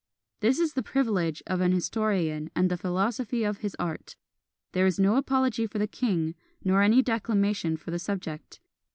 This is the privilege of an historian and the philosophy of his art. There is no apology for the king, nor any declamation for the subject.